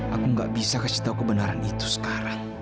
aku gak bisa kasih tahu kebenaran itu sekarang